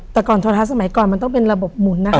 แต่ก่อนโทรทัศน์สมัยก่อนมันต้องเป็นระบบหมุนนะคะ